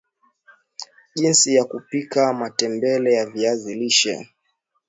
jinsi ya kupika matembele ya viazi lishe